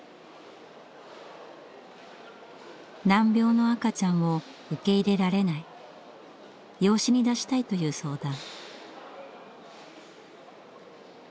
難病の赤ちゃんを受け入れられない養子に出したいという相談。